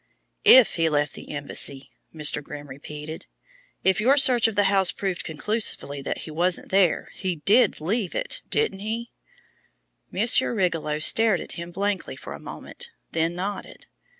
"If he left the embassy?" Mr. Grimm repeated. "If your search of the house proved conclusively that he wasn't there, he did leave it, didn't he?" Monsieur Rigolot stared at him blankly for a moment, then nodded.